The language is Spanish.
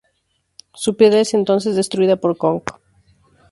Su piedra es, entonces destruida por Kong.